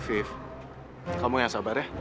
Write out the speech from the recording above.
five kamu yang sabar ya